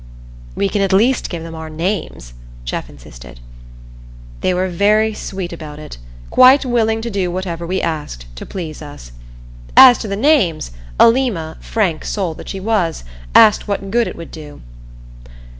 "We can at least give them our names," Jeff insisted. They were very sweet about it, quite willing to do whatever we asked, to please us. As to the names, Alima, frank soul that she was, asked what good it would do.